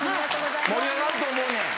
盛り上がると思うねん。